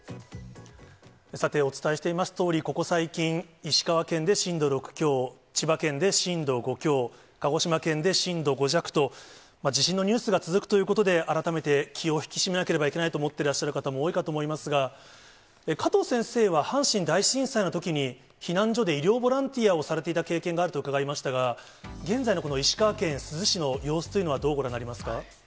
さて、お伝えしておりますとおり、ここ最近、石川県で震度６強、千葉県で震度５強、鹿児島県で震度５弱と、地震のニュースが続くということで、改めて気を引き締めなければいけないと思ってらっしゃる方も多いかと思いますが、加藤先生は阪神大震災のときに、避難所で医療ボランティアをされていた経験があると伺いましたが、現在のこの石川県珠洲市の様子というのは、どうご覧になりますか。